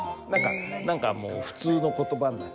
何かもう普通の言葉になっちゃう。